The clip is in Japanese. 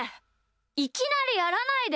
いきなりやらないで。